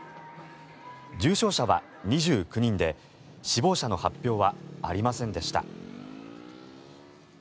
重症者は２９人で死亡者の発表はありませんでした。